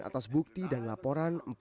atas bukti dan laporan